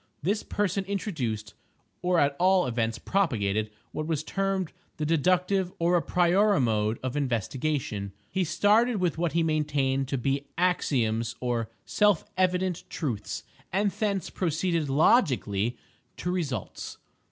This person introduced, or at all events propagated what was termed the deductive or a priori mode of investigation. He started with what he maintained to be axioms or "self evident truths," and thence proceeded "logically" to results.